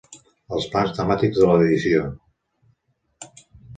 Els plans temàtics de l'edició.